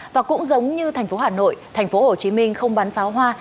và cũng giống như thành phố hà nội thành phố hồ chí minh không bắn pháo hoa